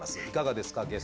いかがですか？